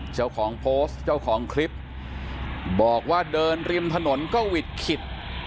เจ้าของโพสต์เจ้าของคลิปบอกว่าเดินริมถนนก็หวิดขิด